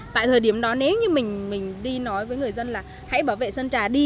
tại thời điểm đó nếu như mình đi nói với người dân là hãy bảo vệ sơn trà đi